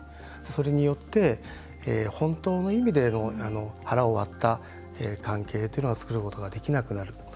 それによって本当の意味での腹を割った関係というのは作ることができなくなる。